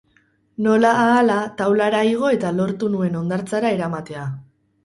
Nola ahala taulara igo eta lortu nuen hondartzara eramatea.